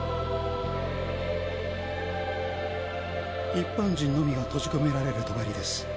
一般人のみが閉じ込められる帳です。